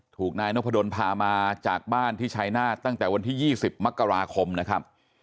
ถูกนายนพดลพามาจากบ้านที่ชายนาฏตั้งแต่วันที่๒๐มกราคมนะครับ